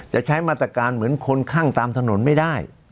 จะใช้มาตรการเหมือนคนคั่งตามถนนไม่ได้